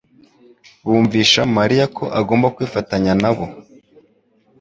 bumvisha Mariya ko agomba kwifatanya nabo: